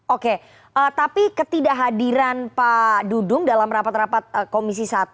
oke tapi ketidakhadiran pak dudung dalam rapat rapat komisi satu